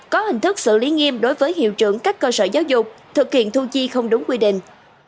có hình thức xử lý nghiêm đối với hiệu trưởng các cơ sở giáo dục thực hiện thu chi không đúng quy định